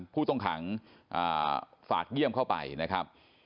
ผู้ต้องขังฝากเยี่ยมเข้าไปนะครับ